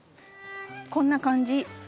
こんな感じ。